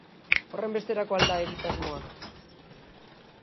Horrenbesterako al da egitasmoa?